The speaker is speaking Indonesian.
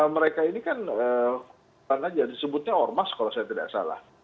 mereka disebutnya ormas kalau saya tidak salah